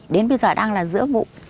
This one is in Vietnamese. đến bây giờ đang là giữa vụ